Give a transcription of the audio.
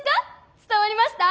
伝わりました！？